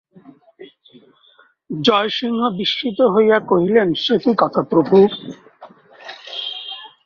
জয়সিংহ বিস্মিত হইয়া কহিলেন, সেকি কথা প্রভু!